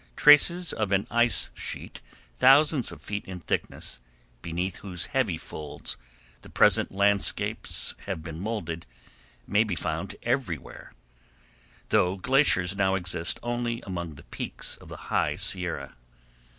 Traces of an ice sheet, thousands of feet in thickness, beneath whose heavy folds the present landscapes have been molded, may be found everywhere, though glaciers now exist only among the peaks of the High Sierra.